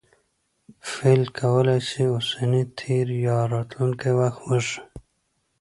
فعل کولای سي اوسنی، تېر یا راتلونکى وخت وښيي.